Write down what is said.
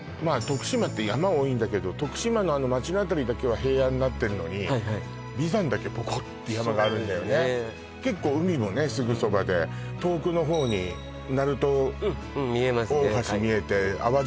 徳島って山多いんだけど徳島のあの街の辺りだけは平野になってるのに眉山だけポコッて山があるんだよね結構海もねすぐそばで遠くのほうに鳴門大橋見えてうん見えますね